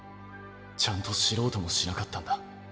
ちゃんと知ろうともしなかったんだ。